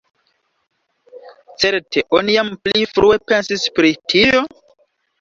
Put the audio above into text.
Certe oni jam pli frue pensis pri tio?